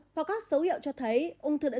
và các dấu hiệu cho thấy ung thư đã